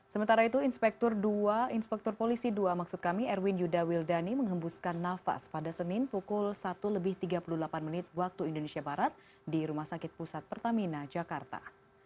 sementara itu inspektur dua inspektur polisi dua maksud kami erwin yuda wildani mengembuskan nafas pada senin pukul satu lebih tiga puluh delapan menit waktu indonesia barat di rumah sakit pusat pertamina jakarta